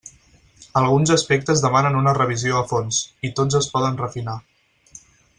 Alguns aspectes demanen una revisió a fons, i tots es poden refinar.